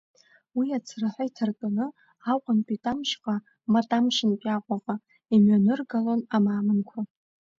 Уи ацраҳәа иҭартәаны Аҟәантәи Тамшьҟа, ма Тамшьынтәи Аҟәаҟа имҩаныргалон амаамынқәа.